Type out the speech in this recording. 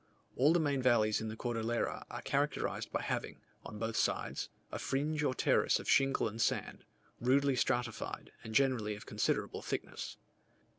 All the main valleys in the Cordillera are characterized by having, on both sides, a fringe or terrace of shingle and sand, rudely stratified, and generally of considerable thickness.